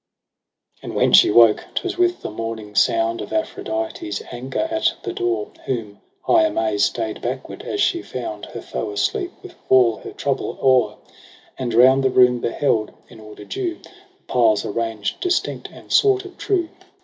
DECEMBER i8y 6 And when she woke 'twas with the morning sound Of Aphrodite's anger at the door, Whom high amaze stay'd backward, as she found Her foe asleep with all her trouble o'er : And round the room beheld, in order due. The piles arranged distinct and sorted true.